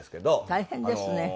大変ですね。